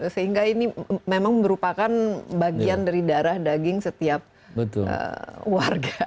sehingga ini memang merupakan bagian dari darah daging setiap warga